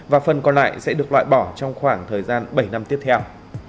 và phần còn lại sẽ được loại bỏ trong khoảng thời gian bảy năm tiếp theo